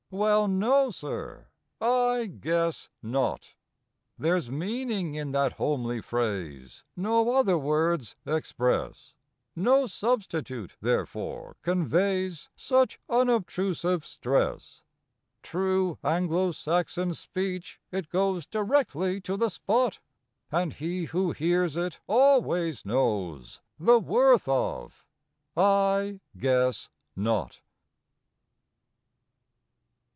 Well, no, sir; I guess not! There's meaning in that homely phrase No other words express No substitute therefor conveys Such unobtrusive stress. True Anglo Saxon speech, it goes Directly to the spot, And he who hears it always knows The worth of "I guess not!"